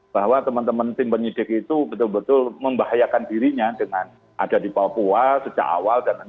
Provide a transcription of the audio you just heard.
bahwa teman teman tim penyidik itu betul betul membahayakan dirinya dengan ada di papua sejak awal